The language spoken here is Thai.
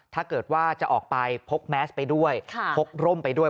ถ้าเกิดว่าจะออกไปพกแมสไปด้วยพกร่มไปด้วย